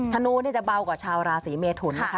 ธนูจะเบากว่าชาวราศีเมทุนนะคะ